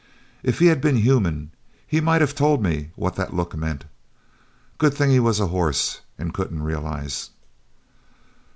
If he had been human, he might have told what that look meant. Good thing he was a horse and couldn't realize."